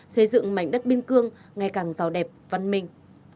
xây dựng mảnh đất biên cương ngày càng giàu đẹp văn minh